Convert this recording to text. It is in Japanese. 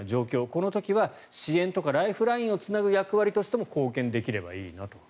この時は支援とかライフラインをつなぐ役割としても貢献できればいいなと。